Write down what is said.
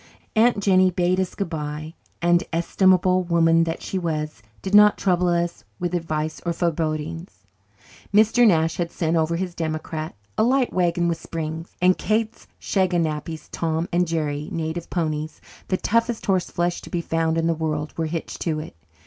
Aunt Jennie bade us goodbye and, estimable woman that she was, did not trouble us with advice or forebodings. Mr. Nash had sent over his "democrat," a light wagon with springs; and Kate's "shaganappies," Tom and Jerry native ponies, the toughest horse flesh to be found in the world were hitched to it.